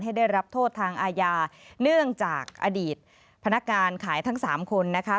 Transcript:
ได้รับโทษทางอาญาเนื่องจากอดีตพนักงานขายทั้งสามคนนะคะ